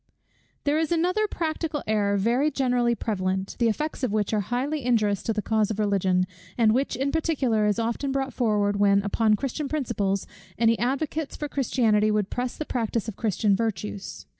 _ There is another practical error very generally prevalent, the effects of which are highly injurious to the cause of Religion; and which in particular is often brought forward when, upon Christian principles, any advocates for Christianity would press the practice of Christian virtues.